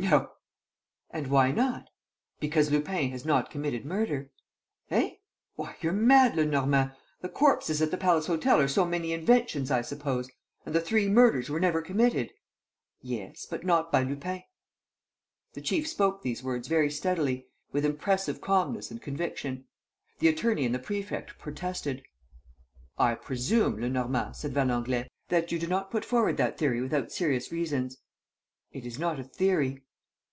"No!" "And why not?" "Because Lupin has not committed murder." "Eh? Why, you're mad, Lenormand! The corpses at the Palace Hotel are so many inventions, I suppose! And the three murders were never committed!" "Yes, but not by Lupin." The chief spoke these words very steadily, with impressive calmness and conviction. The attorney and the prefect protested. "I presume, Lenormand," said Valenglay, "that you do not put forward that theory without serious reasons?" "It is not a theory."